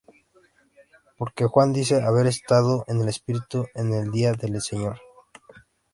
Porque Juan dice haber estado en el Espíritu en el día del Señor.